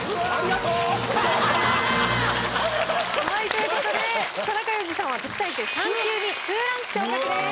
ということで田中要次さんは特待生３級に２ランク昇格です。